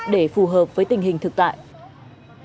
để phù hợp với tình hình thường trọng của các học sinh